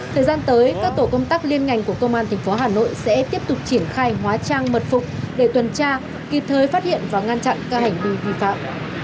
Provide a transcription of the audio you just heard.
thời gian tới các tổ công tác liên ngành của công an tp hà nội sẽ tiếp tục triển khai hóa trang mật phục để tuần tra kịp thời phát hiện và ngăn chặn các hành vi vi phạm